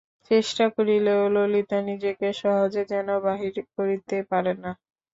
চেষ্টা করিলেও ললিতা নিজেকে সহজে যেন বাহির করিতে পারে না।